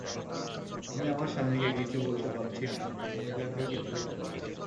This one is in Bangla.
আমি আমার স্বামীকে কিছু বলতে পারছি না, মহিলাকেও কিছু বলতে পারছি না।